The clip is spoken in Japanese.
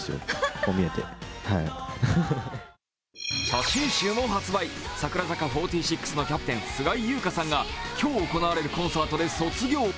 写真集も発売、櫻坂４６のキャプテン、菅井友香さんが今日行われるコンサートで卒業。